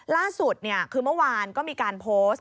ล่าสุดคือเมื่อวานก็มีการโพสต์